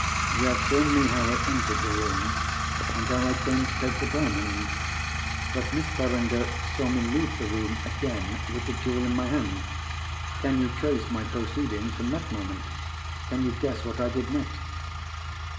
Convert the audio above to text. You have shown me how I entered the room, and how I came to take the Diamond. But Miss Verinder saw me leave the room again, with the jewel in my hand. Can you trace my proceedings from that moment? Can you guess what I did next?"